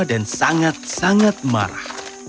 dan sangat sangat marah